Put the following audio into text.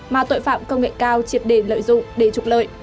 mà tội phạm công nghệ cao triệt đề lợi dụng để trục lợi